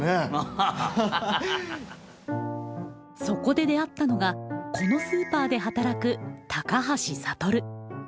そこで出会ったのがこのスーパーで働く高橋羽。